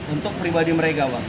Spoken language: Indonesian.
untuk pribadi mereka bang